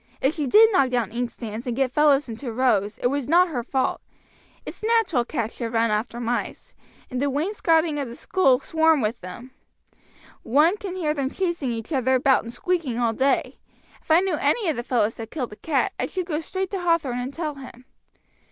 If she did knock down inkstands and get fellows into rows it was not her fault. It's natural cats should run after mice, and the wainscoting of the schoolroom swarmed with them. One can hear them chasing each other about and squeaking all day. If I knew any of the fellows had killed the cat I should go straight to Hathorn and tell him.